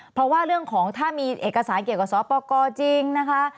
เพราะว่าเรื่องของถ้ามีเอกสารเกี่ยวกับสปกรจริงนะคะ